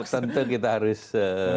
tentu kita harus